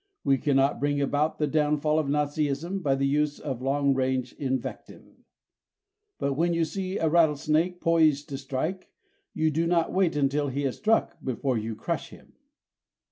We cannot bring about the downfall of Nazism by the use of long range invective. But when you see a rattlesnake poised to strike, you do not wait until he has struck before you crush him.